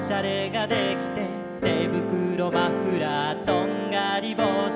「てぶくろマフラーとんがりぼうし」